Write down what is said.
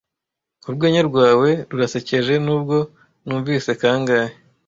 Urwenya rwawe rurasekeje nubwo numvise kangahe.